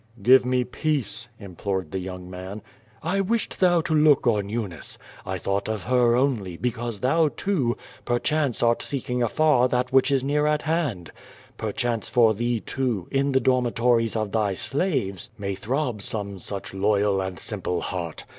Xfive me i)eace?" implored the young man. 1 wished thou to look on Eunice. 1 thought of her only l)ecause thou, too, ])erchance art seeking afar that whicli is near at hand. Perchance for thee too, in the dormitories of thy slaves, may throb some such loyal and simple heart.